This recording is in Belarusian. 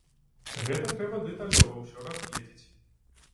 Гэта трэба дэталёва ўсё разгледзець.